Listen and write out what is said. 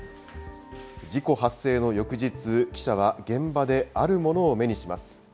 事故発生の翌日、記者は現場であるものを目にします。